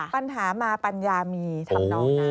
ปัญหามาปัญญามีทำนองนะ